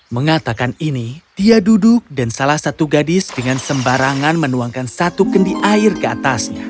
mengatakan ini dia duduk dan salah satu gadis dengan sembarangan menuangkan satu kendi air ke atasnya